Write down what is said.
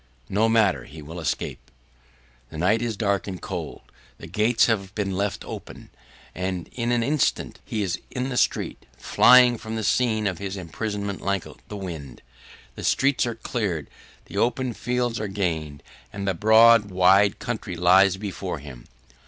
No matter; he will escape. The night is dark and cold, the gates have been left open, and in an instant he is in the street, flying from the scene of his imprisonment like the wind. The streets are cleared, the open fields are gained and the broad, wide country lies before him.